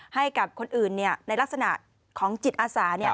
ให้กับคนอื่นในลักษณะของจิตอาสา